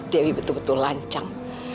dewi betul betul lancang